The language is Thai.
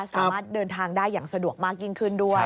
สามารถเดินทางได้อย่างสะดวกมากยิ่งขึ้นด้วย